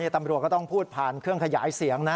ตำรวจก็ต้องพูดผ่านเครื่องขยายเสียงนะ